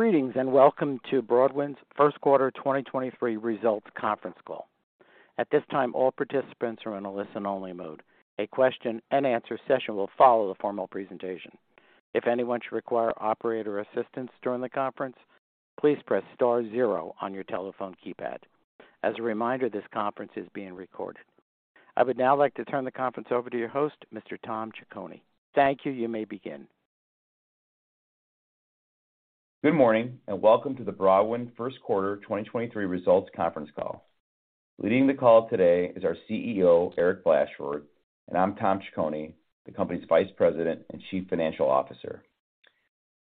Greetings, welcome to Broadwind's first quarter 2023 results conference call. At this time, all participants are in a listen-only mode. A question and answer session will follow the formal presentation. If anyone should require operator assistance during the conference, please press star zero on your telephone keypad. As a reminder, this conference is being recorded. I would now like to turn the conference over to your host, Mr. Tom Ciccone. Thank you. You may begin. Good morning, welcome to the Broadwind first quarter 2023 results conference call. Leading the call today is our CEO, Eric Blashford, and I'm Tom Ciccone, the company's Vice President and Chief Financial Officer.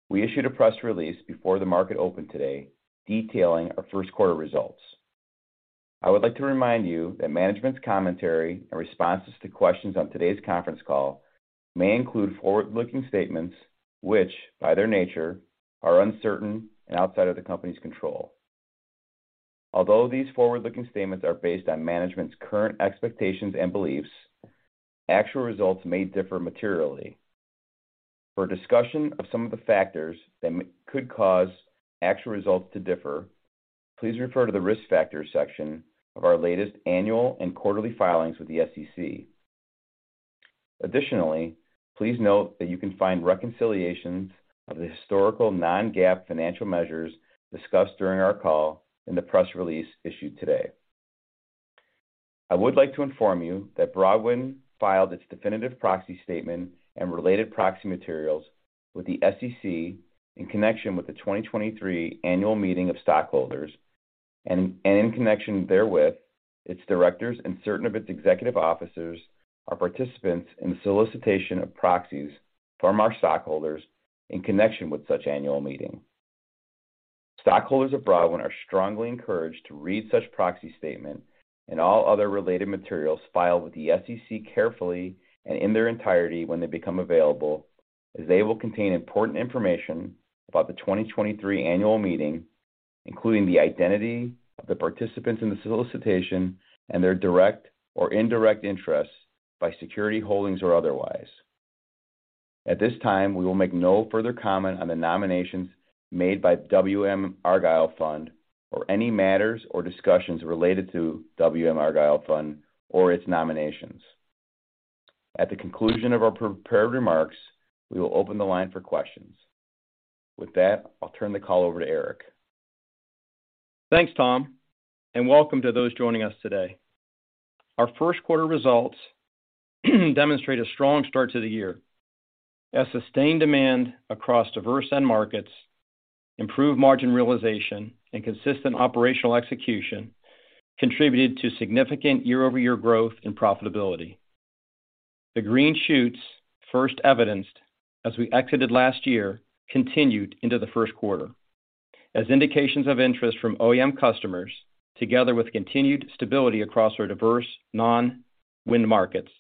We issued a press release before the market opened today detailing our first quarter results. I would like to remind you that management's commentary and responses to questions on today's conference call may include forward-looking statements, which, by their nature, are uncertain and outside of the company's control. Although these forward-looking statements are based on management's current expectations and beliefs, actual results may differ materially. For a discussion of some of the factors that could cause actual results to differ, please refer to the Risk Factors section of our latest annual and quarterly filings with the SEC. Please note that you can find reconciliations of the historical non-GAAP financial measures discussed during our call in the press release issued today. I would like to inform you that Broadwind filed its definitive proxy statement and related proxy materials with the SEC in connection with the 2023 annual meeting of stockholders and in connection therewith its directors and certain of its executive officers are participants in the solicitation of proxies from our stockholders in connection with such annual meeting. Stockholders of Broadwind are strongly encouraged to read such proxy statement and all other related materials filed with the SEC carefully and in their entirety when they become available, as they will contain important information about the 2023 annual meeting, including the identity of the participants in the solicitation and their direct or indirect interests by security holdings or otherwise. At this time, we will make no further comment on the nominations made by WM Argyle Fund or any matters or discussions related to WM Argyle Fund or its nominations. At the conclusion of our prepared remarks, we will open the line for questions. With that, I'll turn the call over to Eric. Thanks, Tom, and welcome to those joining us today. Our first quarter results demonstrate a strong start to the year. Sustained demand across diverse end markets, improved margin realization and consistent operational execution contributed to significant year-over-year growth and profitability. The green shoots first evidenced as we exited last year continued into the first quarter as indications of interest from OEM customers, together with continued stability across our diverse non-wind markets,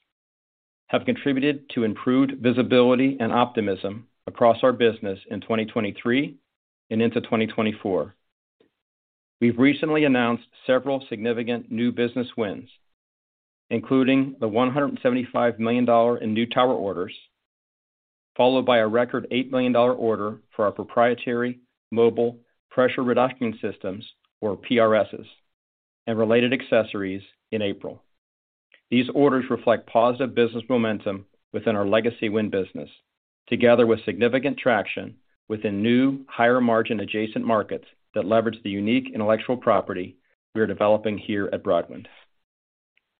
have contributed to improved visibility and optimism across our business in 2023 and into 2024. We've recently announced several significant new business wins, including the $175 million in new tower orders, followed by a record $8 million order for our proprietary Mobile Pressure Reducing Systems or PRS's and related accessories in April. These orders reflect positive business momentum within our legacy wind business, together with significant traction within new higher margin adjacent markets that leverage the unique intellectual property we are developing here at Broadwind.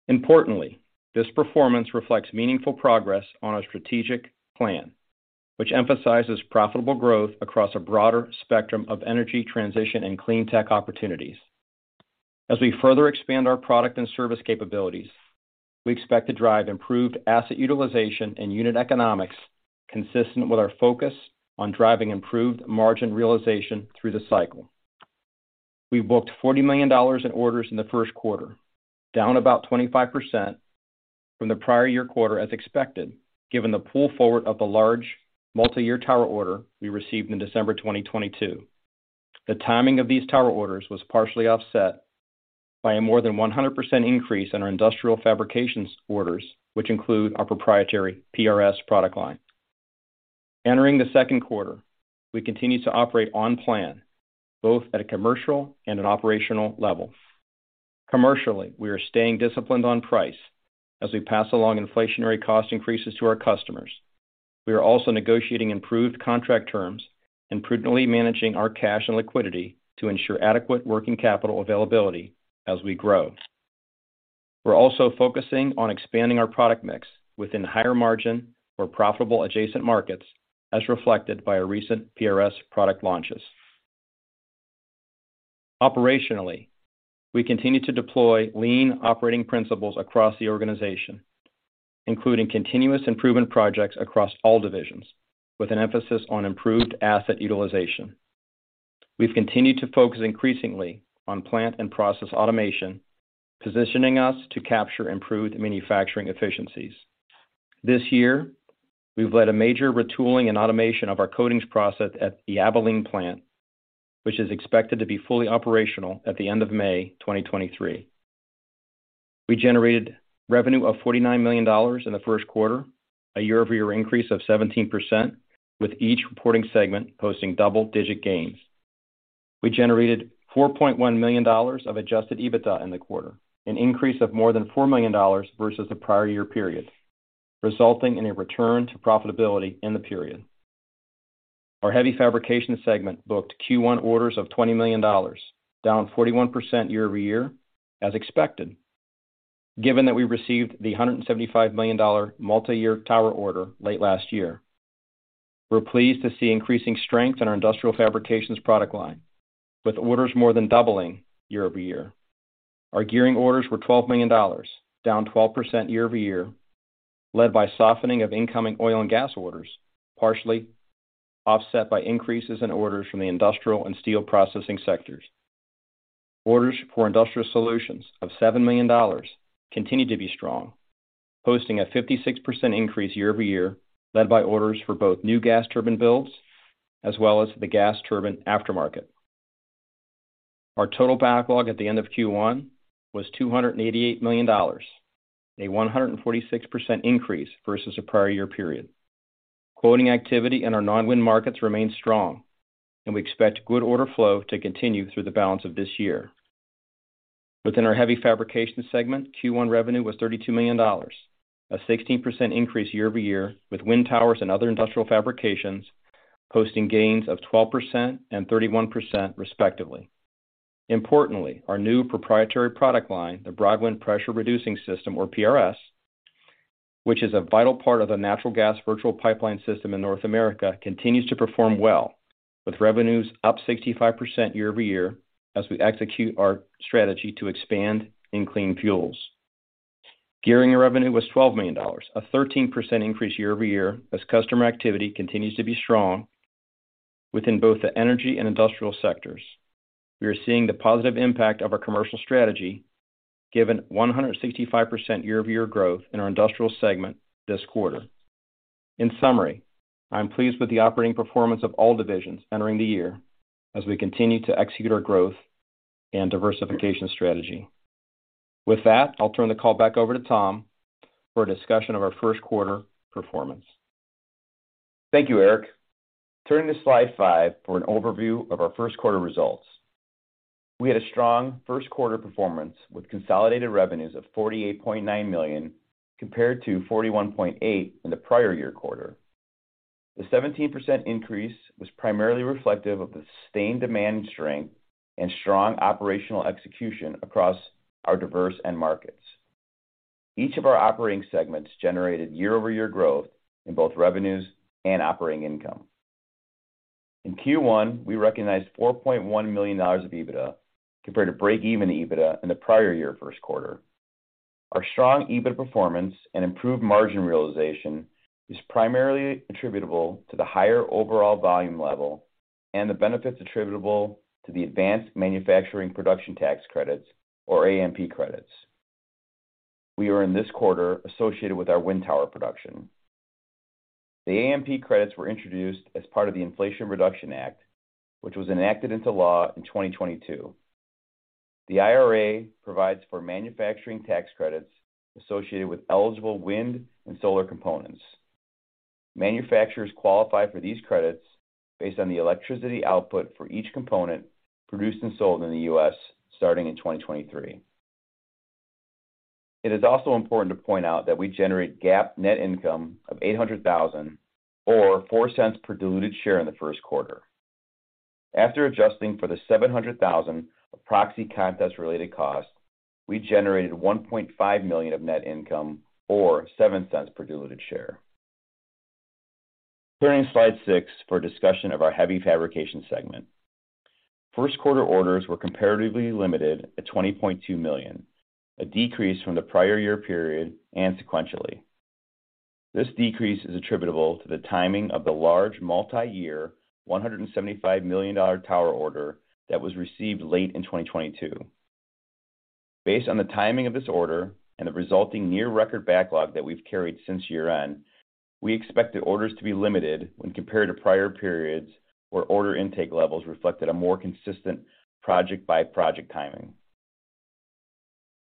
Importantly, this performance reflects meaningful progress on our strategic plan, which emphasizes profitable growth across a broader spectrum of energy transition and clean tech opportunities. As we further expand our product and service capabilities, we expect to drive improved asset utilization and unit economics consistent with our focus on driving improved margin realization through the cycle. We booked $40 million in orders in the first quarter, down about 25% from the prior year quarter as expected, given the pull forward of the large multi-year tower order we received in December 2022. The timing of these tower orders was partially offset by a more than 100% increase in our industrial fabrications orders, which include our proprietary PRS product line. Entering the second quarter, we continue to operate on plan, both at a commercial and an operational level. Commercially, we are staying disciplined on price as we pass along inflationary cost increases to our customers. We are also negotiating improved contract terms and prudently managing our cash and liquidity to ensure adequate working capital availability as we grow. We're also focusing on expanding our product mix within higher margin or profitable adjacent markets, as reflected by our recent PRS product launches. Operationally, we continue to deploy lean operating principles across the organization, including continuous improvement projects across all divisions with an emphasis on improved asset utilization. We've continued to focus increasingly on plant and process automation, positioning us to capture improved manufacturing efficiencies. This year, we've led a major retooling and automation of our coatings process at the Abilene plant, which is expected to be fully operational at the end of May 2023. We generated revenue of $49 million in the first quarter, a year-over-year increase of 17%, with each reporting segment posting double-digit gains. We generated $4.1 million of adjusted EBITDA in the quarter, an increase of more than $4 million versus the prior year period, resulting in a return to profitability in the period. Our heavy fabrication segment booked Q1 orders of $20 million, down 41% year-over-year, as expected. Given that we received the $175 million multi-year tower order late last year, we're pleased to see increasing strength in our industrial fabrications product line, with orders more than doubling year-over-year. Our gearing orders were $12 million, down 12% year-over-year, led by softening of incoming oil and gas orders, partially offset by increases in orders from the industrial and steel processing sectors. Orders for Industrial Solutions of $7 million continue to be strong, posting a 56% increase year-over-year, led by orders for both new gas turbine builds as well as the gas turbine aftermarket. Our total backlog at the end of Q1 was $288 million, a 146% increase versus the prior year period. We expect good order flow to continue through the balance of this year. Within our heavy fabrication segment, Q1 revenue was $32 million, a 16% increase year-over-year, with wind towers and other industrial fabrications posting gains of 12% and 31% respectively. Importantly, our new proprietary product line, the Broadwind Pressure Reducing System, or PRS, which is a vital part of the natural gas virtual pipeline system in North America, continues to perform well with revenues up 65% year-over-year as we execute our strategy to expand in clean fuels. Gearing revenue was $12 million, a 13% increase year-over-year as customer activity continues to be strong within both the energy and industrial sectors. We are seeing the positive impact of our commercial strategy given 165% year-over-year growth in our industrial segment this quarter. In summary, I'm pleased with the operating performance of all divisions entering the year as we continue to execute our growth and diversification strategy. With that, I'll turn the call back over to Tom for a discussion of our first quarter performance. Thank you, Eric. Turning to slide five for an overview of our first quarter results. We had a strong first quarter performance with consolidated revenues of $48.9 million compared to $41.8 million in the prior-year quarter. The 17% increase was primarily reflective of the sustained demand strength and strong operational execution across our diverse end markets. Each of our operating segments generated year-over-year growth in both revenues and operating income. In Q1, we recognized $4.1 million of EBITDA compared to break-even EBITDA in the prior-year first quarter. Our strong EBITDA performance and improved margin realization is primarily attributable to the higher overall volume level and the benefits attributable to the Advanced Manufacturing Production tax credits, or AMP credits. We are in this quarter associated with our wind tower production. The AMP credits were introduced as part of the Inflation Reduction Act, which was enacted into law in 2022. The IRA provides for manufacturing tax credits associated with eligible wind and solar components. Manufacturers qualify for these credits based on the electricity output for each component produced and sold in the U.S. starting in 2023. It is also important to point out that we generate GAAP net income of $800,000 or $0.04 per diluted share in the first quarter. After adjusting for the $700,000 of proxy contest-related costs, we generated $1.5 million of net income or $0.07 per diluted share. Turning to slide six for a discussion of our heavy fabrication segment. First quarter orders were comparatively limited at $20.2 million, a decrease from the prior year period and sequentially. This decrease is attributable to the timing of the large multi-year $175 million tower order that was received late in 2022. Based on the timing of this order and the resulting near record backlog that we've carried since year-end, we expect the orders to be limited when compared to prior periods where order intake levels reflected a more consistent project-by-project timing.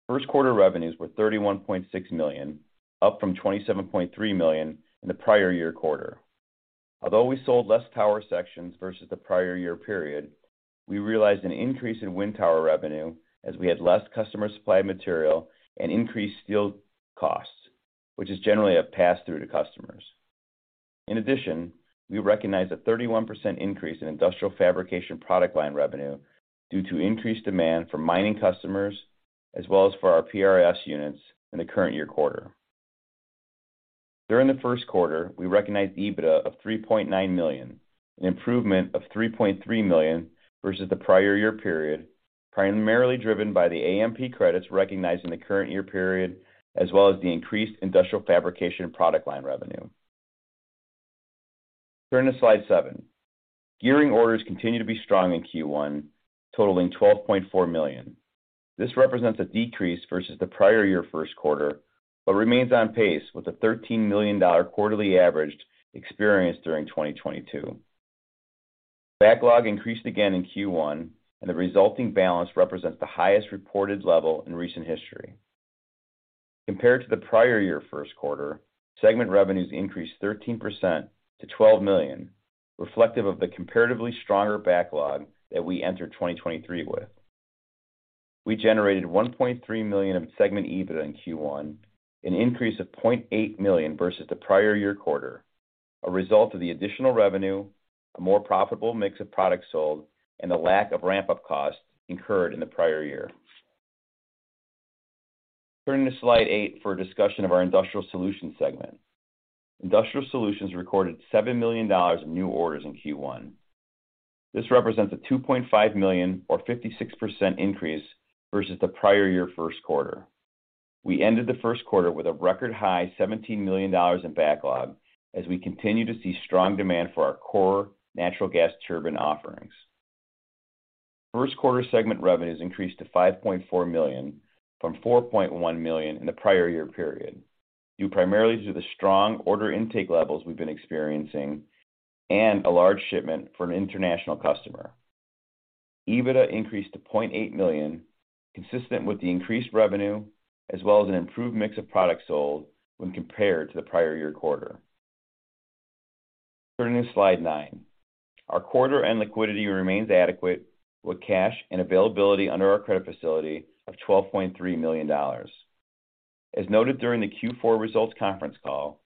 First quarter revenues were $31.6 million, up from $27.3 million in the prior year quarter. We sold less tower sections versus the prior year period, we realized an increase in wind tower revenue as we had less customer supplied material and increased steel costs, which is generally a pass-through to customers. In addition, we recognized a 31% increase in industrial fabrication product line revenue due to increased demand from mining customers as well as for our PRS units in the current year quarter. During the first quarter, we recognized EBITDA of $3.9 million, an improvement of $3.3 million versus the prior year period, primarily driven by the AMP credits recognized in the current year period as well as the increased industrial fabrication product line revenue. Turning to slide seven. Gearing orders continued to be strong in Q1, totaling $12.4 million. This represents a decrease versus the prior year first quarter, but remains on pace with the $13 million quarterly average experienced during 2022. Backlog increased again in Q1, and the resulting balance represents the highest reported level in recent history. Compared to the prior year first quarter, segment revenues increased 13% to $12 million, reflective of the comparatively stronger backlog that we entered 2023 with. We generated $1.3 million of segment EBITDA in Q1, an increase of $0.8 million versus the prior year quarter, a result of the additional revenue, a more profitable mix of products sold, and the lack of ramp-up costs incurred in the prior year. Turning to slide eight for a discussion of our Industrial Solutions segment. Industrial Solutions recorded $7 million in new orders in Q1. This represents a $2.5 million or 56% increase versus the prior year first quarter. We ended the first quarter with a record-high $17 million in backlog as we continue to see strong demand for our core natural gas turbine offerings. First quarter segment revenues increased to $5.4 million from $4.1 million in the prior-year period, due primarily to the strong order intake levels we've been experiencing and a large shipment from an international customer. EBITDA increased to $0.8 million, consistent with the increased revenue as well as an improved mix of products sold when compared to the prior-year quarter. Turning to slide nine. Our quarter-end liquidity remains adequate with cash and availability under our credit facility of $12.3 million. As noted during the Q4 results conference call,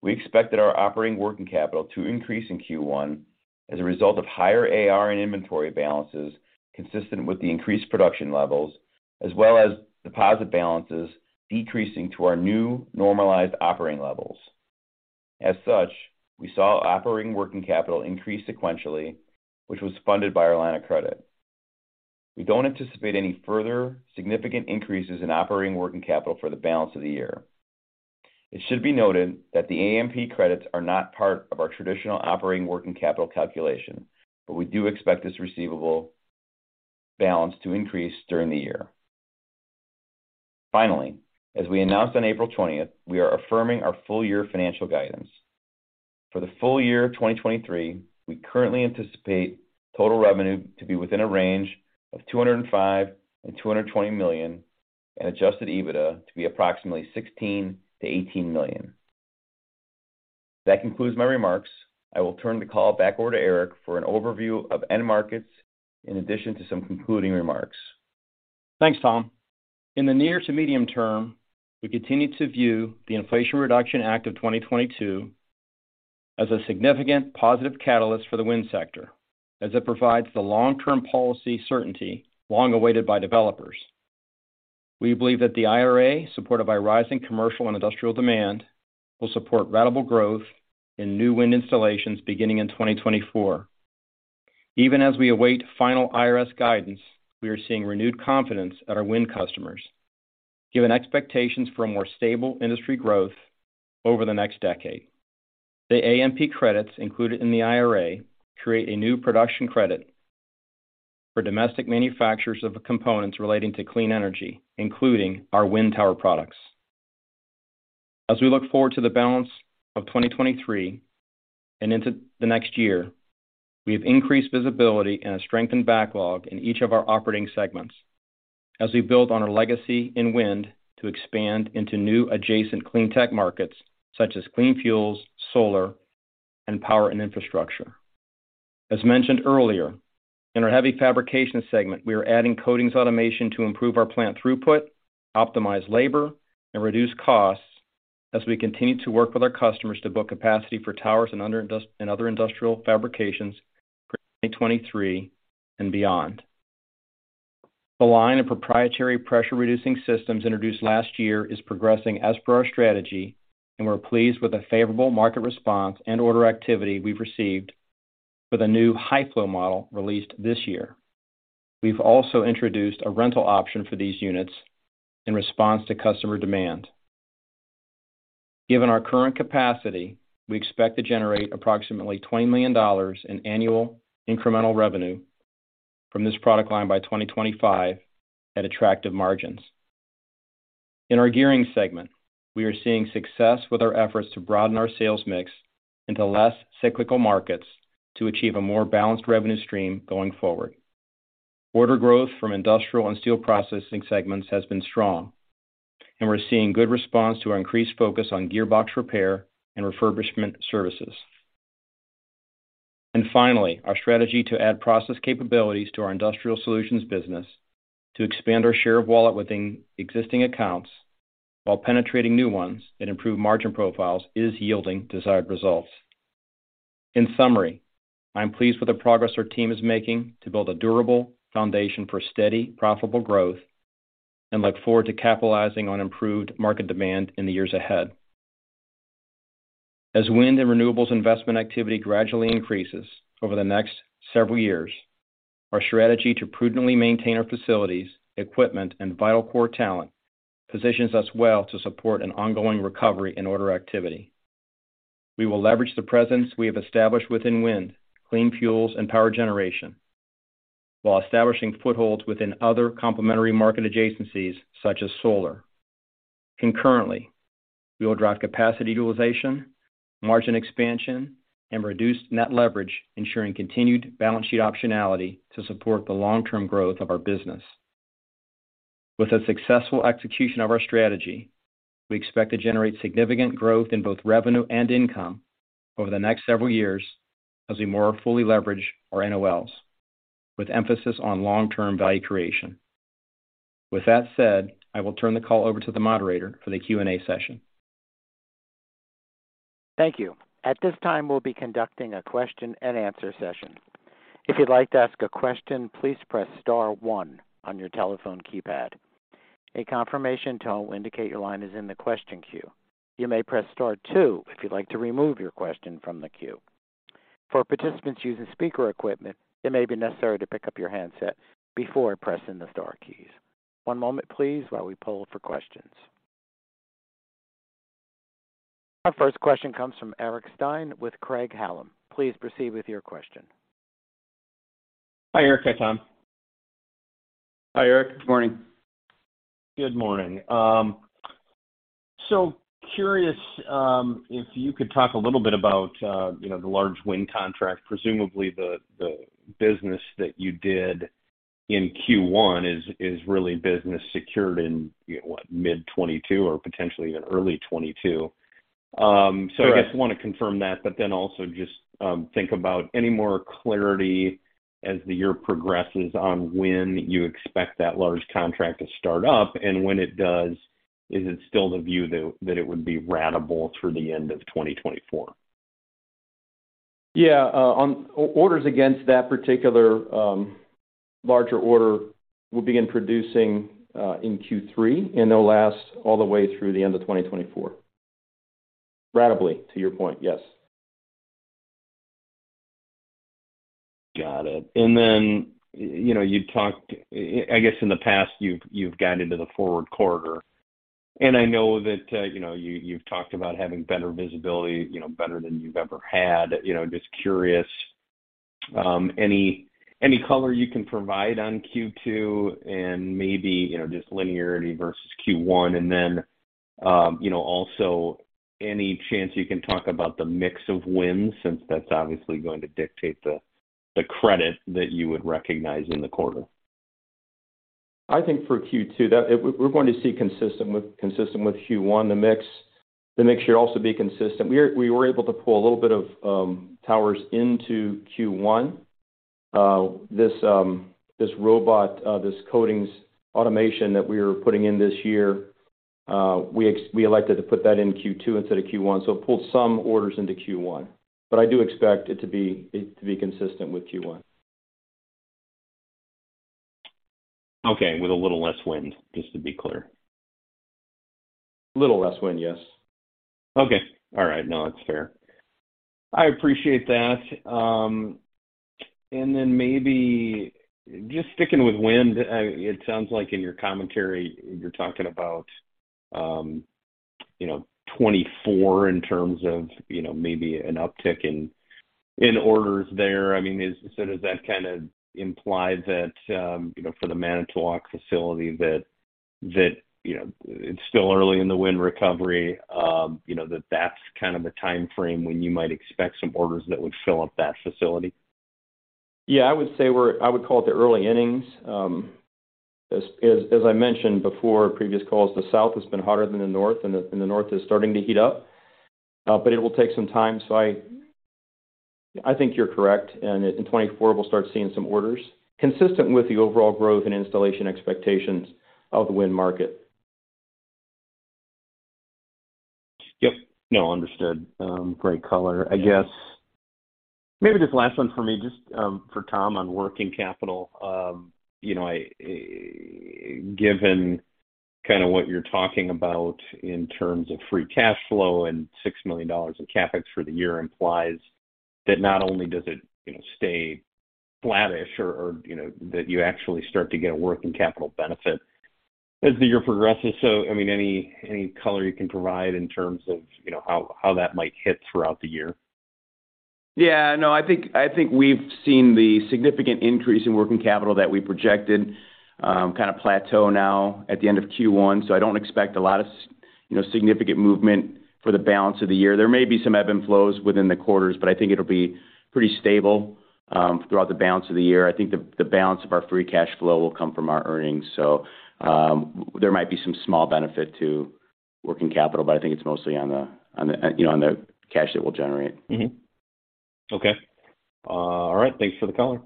we expected our operating working capital to increase in Q1 as a result of higher AR and inventory balances consistent with the increased production levels, as well as deposit balances decreasing to our new normalized operating levels. We saw operating working capital increase sequentially, which was funded by our line of credit. We don't anticipate any further significant increases in operating working capital for the balance of the year. It should be noted that the AMP credits are not part of our traditional operating working capital calculation, but we do expect this receivable balance to increase during the year. As we announced on April 20th, we are affirming our full year financial guidance. For the full year 2023, we currently anticipate total revenue to be within a range of $205 million-$220 million, and adjusted EBITDA to be approximately $16 million-$18 million. That concludes my remarks. I will turn the call back over to Eric for an overview of end markets in addition to some concluding remarks. Thanks, Tom. In the near to medium term, we continue to view the Inflation Reduction Act of 2022 as a significant positive catalyst for the wind sector as it provides the long-term policy certainty long awaited by developers. We believe that the IRA, supported by rising commercial and industrial demand, will support ratable growth in new wind installations beginning in 2024. Even as we await final IRS guidance, we are seeing renewed confidence at our wind customers, given expectations for a more stable industry growth over the next decade. The AMP credits included in the IRA create a new production credit for domestic manufacturers of the components relating to clean energy, including our wind tower products. As we look forward to the balance of 2023 and into the next year, we have increased visibility and a strengthened backlog in each of our operating segments as we build on our legacy in wind to expand into new adjacent clean tech markets such as clean fuels, solar, and power and infrastructure. As mentioned earlier, in our heavy fabrication segment, we are adding coatings automation to improve our plant throughput, optimize labor, and reduce costs as we continue to work with our customers to book capacity for towers and other industrial fabrications for 2023 and beyond. The line of proprietary pressure-reducing systems introduced last year is progressing as per our strategy, and we're pleased with the favorable market response and order activity we've received for the new high flow model released this year. We've also introduced a rental option for these units in response to customer demand. Given our current capacity, we expect to generate approximately $20 million in annual incremental revenue from this product line by 2025 at attractive margins. In our gearing segment, we are seeing success with our efforts to broaden our sales mix into less cyclical markets to achieve a more balanced revenue stream going forward. Order growth from industrial and steel processing segments has been strong. We're seeing good response to our increased focus on gearbox repair and refurbishment services. Finally, our strategy to add process capabilities to our Industrial Solutions business to expand our share of wallet within existing accounts while penetrating new ones and improve margin profiles is yielding desired results. In summary, I'm pleased with the progress our team is making to build a durable foundation for steady, profitable growth and look forward to capitalizing on improved market demand in the years ahead. As wind and renewables investment activity gradually increases over the next several years, our strategy to prudently maintain our facilities, equipment, and vital core talent positions us well to support an ongoing recovery in order activity. We will leverage the presence we have established within wind, clean fuels, and power generation while establishing footholds within other complementary market adjacencies such as solar. Concurrently, we will drive capacity utilization, margin expansion, and reduced net leverage, ensuring continued balance sheet optionality to support the long-term growth of our business. With a successful execution of our strategy, we expect to generate significant growth in both revenue and income over the next several years as we more fully leverage our NOLs with emphasis on long-term value creation. With that said, I will turn the call over to the moderator for the Q&A session. Thank you. At this time, we'll be conducting a question and answer session. If you'd like to ask a question, please press star one on your telephone keypad. A confirmation tone will indicate your line is in the question queue. You may press star two if you'd like to remove your question from the queue. For participants using speaker equipment, it may be necessary to pick up your handset before pressing the star keys. One moment, please, while we poll for questions. Our first question comes from Eric Stine with Craig-Hallum. Please proceed with your question. Hi, Eric. Hi, Tom. Hi, Eric. Good morning. Good morning. Curious, if you could talk a little bit about, you know, the large wind contract. Presumably the business that you did in Q1 is really business secured in, you know, what, mid-2022 or potentially even early 2022? Right. I guess want to confirm that, but then also just, think about any more clarity as the year progresses on when you expect that large contract to start up, and when it does, is it still the view that it would be ratable through the end of 2024? Yeah. On orders against that particular, larger order will begin producing in Q3, and they'll last all the way through the end of 2024. Ratably, to your point, yes. Got it. You know, you talked, I guess in the past you've guided to the forward quarter. I know that, you know, you've talked about having better visibility, you know, better than you've ever had. You know, just curious, any color you can provide on Q2 and maybe, you know, just linearity versus Q1. You know, also any chance you can talk about the mix of winds, since that's obviously going to dictate the credit that you would recognize in the quarter. I think for Q2 that we're going to see consistent with, consistent with Q1. The mix should also be consistent. We were able to pull a little bit of towers into Q1. This robot, this coatings automation that we are putting in this year, we elected to put that in Q2 instead of Q1, so it pulled some orders into Q1. I do expect it to be consistent with Q1. Okay. With a little less wind, just to be clear. Little less wind, yes. Okay. All right. No, that's fair. I appreciate that. Maybe just sticking with wind, I mean, it sounds like in your commentary you're talking about, you know, 2024 in terms of, you know, maybe an uptick in orders there. I mean, so does that kind of imply that, you know, for the Manitowoc facility that, you know, it's still early in the wind recovery, you know, that that's kind of the timeframe when you might expect some orders that would fill up that facility? Yeah. I would say I would call it the early innings. I mentioned before, previous calls, the South has been hotter than the North, and the North is starting to heat up. It will take some time. I think you're correct, and in 2024 we'll start seeing some orders consistent with the overall growth and installation expectations of the wind market. Yep. No, understood. Great color. I guess maybe just last one for me, just for Tom on working capital. You know, given kinda what you're talking about in terms of free cash flow and $6 million in CapEx for the year implies that not only does it, you know, stay flattish or, you know, that you actually start to get a working capital benefit as the year progresses. I mean, any color you can provide in terms of, you know, how that might hit throughout the year? Yeah. No. I think we've seen the significant increase in working capital that we projected, kind of plateau now at the end of Q1. I don't expect a lot of, you know, significant movement for the balance of the year. There may be some ebb and flows within the quarters, but I think it'll be pretty stable throughout the balance of the year. I think the balance of our free cash flow will come from our earnings. There might be some small benefit to working capital, but I think it's mostly on the, you know, on the cash that we'll generate. Okay. All right. Thanks for the color.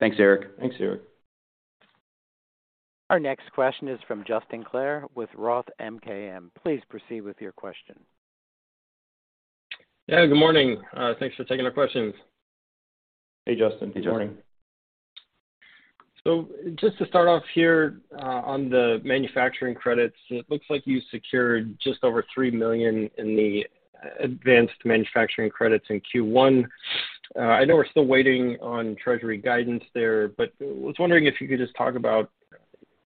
Thanks, Eric. Thanks, Eric. Our next question is from Justin Clare with Roth MKM. Please proceed with your question. Yeah. Good morning. Thanks for taking the questions. Hey, Justin. Good morning. Just to start off here, on the Advanced Manufacturing credits, it looks like you secured just over $3 million in the Advanced Manufacturing credits in Q1. I know we're still waiting on Treasury guidance there, but I was wondering if you could just talk about,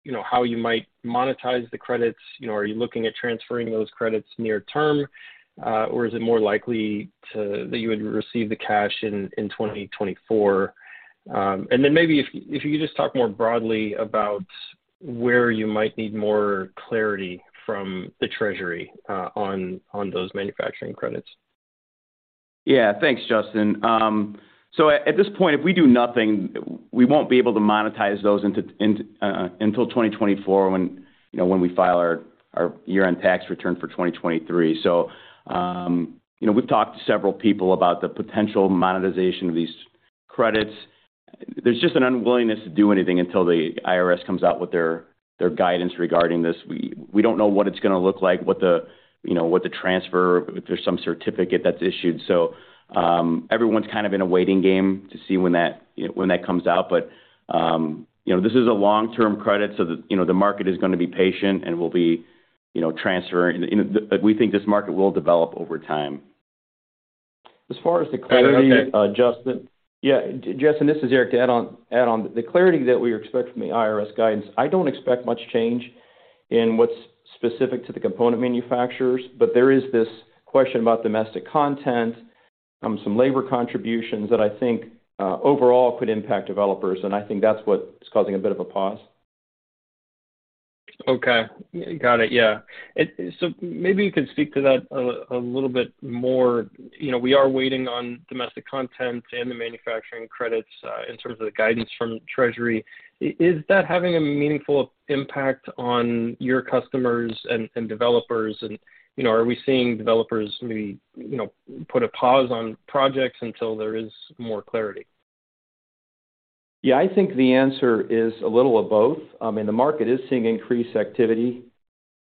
you know, how you might monetize the credits. You know, are you looking at transferring those credits near term, or is it more likely that you would receive the cash in 2024? Maybe if you could just talk more broadly about where you might need more clarity from the Treasury, on those Advanced Manufacturing credits. Yeah. Thanks, Justin. At this point, if we do nothing, we won't be able to monetize those until 2024 when, you know, we file our year-end tax return for 2023. You know, we've talked to several people about the potential monetization of these credits. There's just an unwillingness to do anything until the IRS comes out with their guidance regarding this. We don't know what it's gonna look like, what the, you know, transfer, if there's some certificate that's issued. Everyone's kind of in a waiting game to see when that comes out. You know, this is a long-term credit so the, you know, market is gonna be patient and we'll be, you know, transferring. We think this market will develop over time. Okay. As far as the clarity, Justin. Yeah, Justin, this is Eric. To add on. The clarity that we expect from the IRS guidance, I don't expect much change in what's specific to the component manufacturers, but there is this question about domestic content, some labor contributions that I think overall could impact developers, and I think that's what is causing a bit of a pause. Okay. Got it. Yeah. Maybe you could speak to that a little bit more. You know, we are waiting on domestic content and the manufacturing credits in terms of the guidance from treasury. Is that having a meaningful impact on your customers and developers and, you know, are we seeing developers maybe, you know, put a pause on projects until there is more clarity? Yeah, I think the answer is a little of both. I mean, the market is seeing increased activity,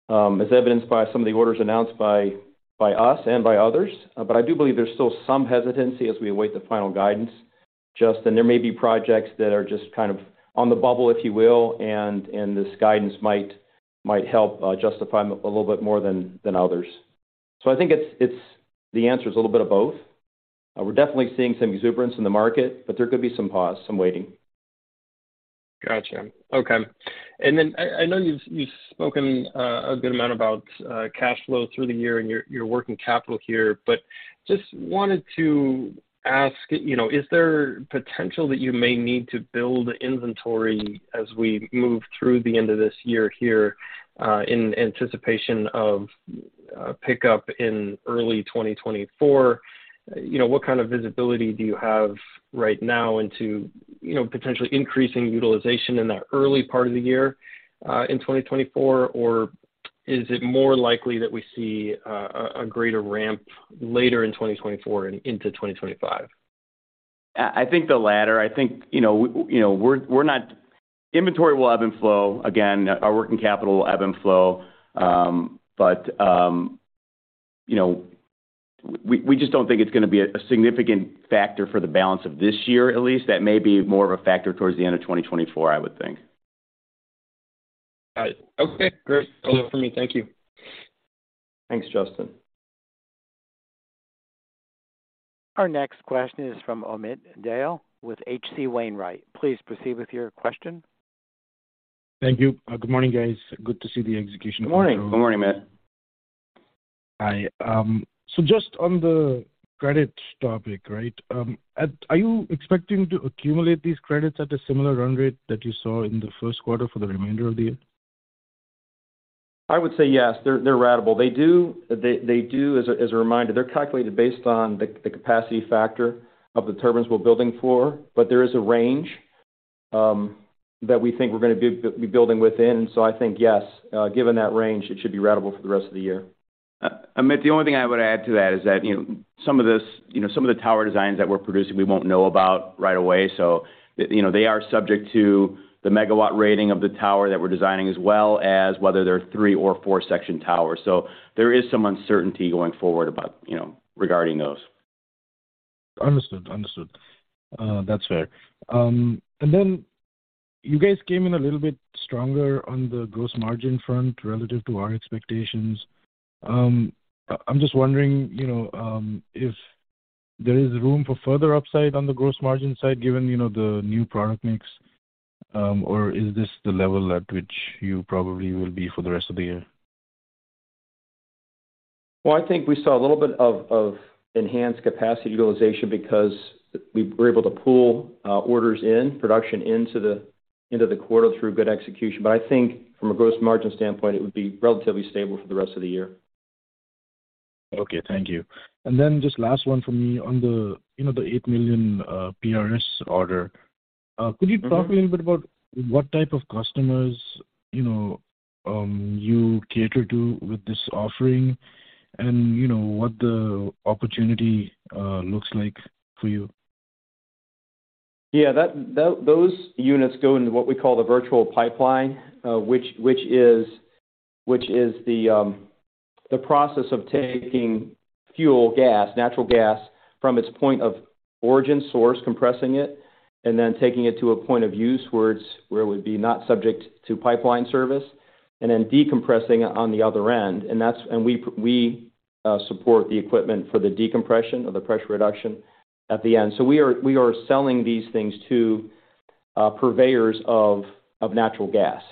as evidenced by some of the orders announced by us and by others. I do believe there's still some hesitancy as we await the final guidance, Justin. There may be projects that are just kind of on the bubble, if you will, and this guidance might help justify a little bit more than others. I think the answer is a little bit of both. We're definitely seeing some exuberance in the market, but there could be some pause, some waiting. Gotcha. Okay. I know you've spoken a good amount about cash flow through the year and your working capital here, but just wanted to ask, you know, is there potential that you may need to build inventory as we move through the end of this year here, in anticipation of pickup in early 2024? You know, what kind of visibility do you have right now into, you know, potentially increasing utilization in that early part of the year, in 2024? Or is it more likely that we see a greater ramp later in 2024 and into 2025? I think the latter. I think, you know, Inventory will ebb and flow. Again, our working capital will ebb and flow. You know, we just don't think it's gonna be a significant factor for the balance of this year, at least. That may be more of a factor towards the end of 2024, I would think. Got it. Okay. Great. That's all for me. Thank you. Thanks, Justin. Our next question is from Amit Dayal with HC Wainwright. Please proceed with your question. Thank you. Good morning, guys. Good to see the execution. Good morning. Good morning, Amit. Hi. Just on the credits topic, right, are you expecting to accumulate these credits at a similar run rate that you saw in the first quarter for the remainder of the year? I would say yes. They're ratable. They do. As a reminder, they're calculated based on the capacity factor of the turbines we're building for, but there is a range that we think we're gonna be building within. I think yes, given that range, it should be ratable for the rest of the year. Amit, the only thing I would add to that is that, you know, some of this, you know, some of the tower designs that we're producing we won't know about right away, so, you know, they are subject to the megawatt rating of the tower that we're designing, as well as whether they're three or four-section towers. There is some uncertainty going forward about, you know, regarding those. Understood. Understood. That's fair. Then you guys came in a little bit stronger on the gross margin front relative to our expectations. I'm just wondering, you know, if there is room for further upside on the gross margin side given, you know, the new product mix, or is this the level at which you probably will be for the rest of the year? Well, I think we saw a little bit of enhanced capacity utilization because we were able to pull orders in, production into the quarter through good execution. I think from a gross margin standpoint, it would be relatively stable for the rest of the year. Okay. Thank you. Just last one for me on the, you know, the $8 million PRS order. Could you talk a little bit about what type of customers, you know, you cater to with this offering and, you know, what the opportunity looks like for you? Yeah, that, those units go into what we call the virtual pipeline, which is the process of taking fuel, gas, natural gas, from its point of origin source, compressing it, and then taking it to a point of use where it's, where it would be not subject to pipeline service, and then decompressing it on the other end. We support the equipment for the decompression of the pressure reduction at the end. We are selling these things to purveyors of natural gas.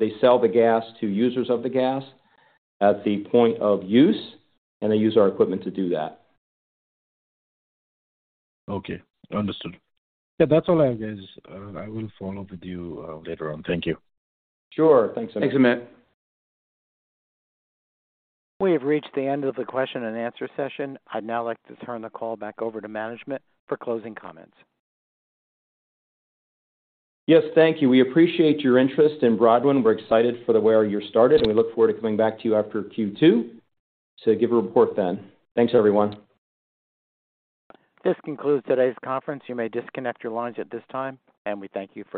They sell the gas to users of the gas at the point of use, and they use our equipment to do that. Understood. Yeah, that's all I have, guys. I will follow with you later on. Thank you. Sure. Thanks, Amit. Thanks, Amit. We have reached the end of the question and answer session. I'd now like to turn the call back over to management for closing comments. Yes, thank you. We appreciate your interest in Broadwind. We're excited for the way our year started, and we look forward to coming back to you after Q2 to give a report then. Thanks, everyone. This concludes today's conference. You may disconnect your lines at this time, and we thank you for your participation.